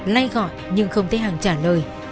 lây gọi nhưng không thấy hằng trả lời